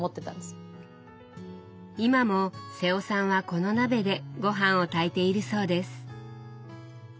今も瀬尾さんはこの鍋でごはんを炊いているそうです。